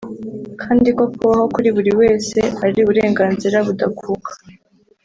kandi ko kubaho kuri buri wese ari uburenganzira budakuka